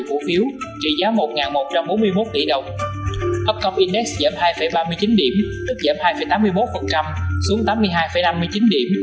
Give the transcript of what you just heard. upcom index giảm hai ba mươi chín điểm tức giảm hai tám mươi một xuống tám mươi hai năm mươi chín điểm